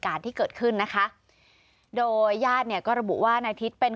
ที่เกิดขึ้นนะคะโดยญาติเนี่ยก็ระบุว่านายทิศเป็น